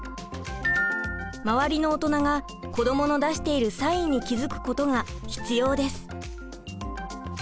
周りの大人が子どもの出しているサインに気づくことが必要です。